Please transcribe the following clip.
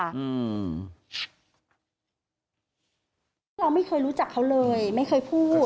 เพราะเราไม่เคยรู้จักเขาเลยไม่เคยพูด